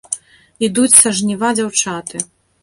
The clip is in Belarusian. Ідуць са жніва дзяўчаты.